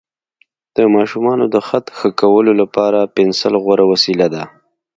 د ماشومانو د خط ښه کولو لپاره پنسل غوره وسیله ده.